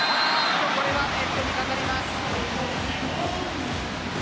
これはネットに掛かります。